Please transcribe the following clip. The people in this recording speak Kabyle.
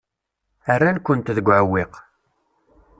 Rran-kent deg uɛewwiq.